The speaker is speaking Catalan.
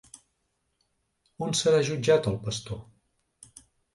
On serà jutjat el pastor?